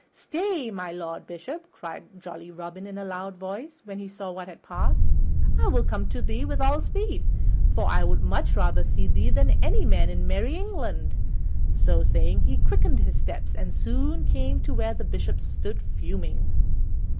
"Stay, my Lord Bishop," cried jolly Robin in a loud voice, when he saw what had passed, "I will come to thee with all speed, for I would rather see thee than any man in merry England." So saying, he quickened his steps and soon came to where the Bishop stood fuming.